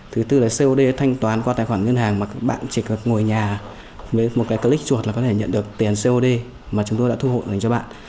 thứ tư là cod thanh toán qua tài khoản ngân hàng mà các bạn chỉ cần ngồi nhà với một cái click chuột là có thể nhận được tiền cod mà chúng tôi đã thu hộ dành cho bạn